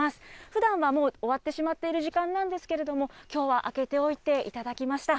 ふだんはもう、終わってしまっている時間なんですけれども、きょうは開けておいていただきました。